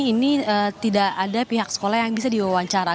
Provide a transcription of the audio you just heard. ini tidak ada pihak sekolah yang bisa diwawancara